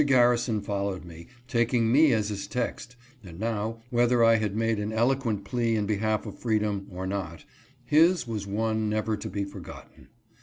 Gar rison followed me, taking me as his text, and now, whether /had made an eloquent plea in behalf of freedom, or not, his was one, never to be forgotten.